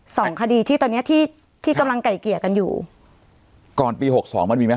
สองคดีที่ตอนเนี้ยที่ที่กำลังไก่เกลี่ยกันอยู่ก่อนปีหกสองมันมีไหม